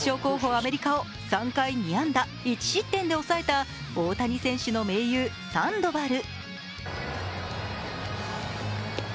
アメリカを３回２安打１失点で抑えた大谷選手の盟友・サンドバル。